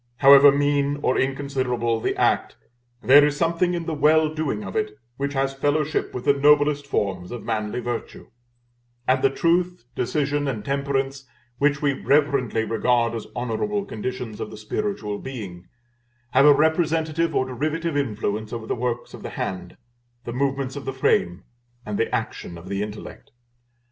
However mean or inconsiderable the act, there is something in the well doing of it, which has fellowship with the noblest forms of manly virtue; and the truth, decision, and temperance, which we reverently regard as honorable conditions of the spiritual being, have a representative or derivative influence over the works of the hand, the movements of the frame, and the action of the intellect.